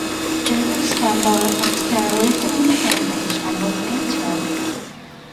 Judith Campbell Exner lived in Newport Beach and was a painter.